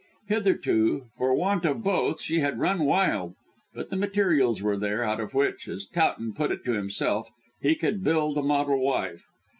Hitherto, for want of both, she had run wild; but the materials were there, out of which, as Towton put it to himself, he could build a model wife.